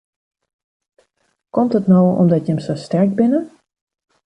Komt it no omdat jim sa sterk binne?